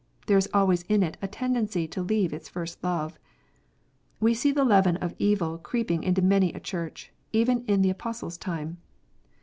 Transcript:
There is always in it a tendency to leave its first love. We see the leaven of evil creeping into many a Church, even in the Apostle s time.